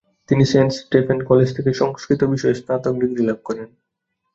তিনি saint Stephen's college থেকে সংস্কৃত বিষয়ে স্নাতক ডিগ্রী লাভ করেন।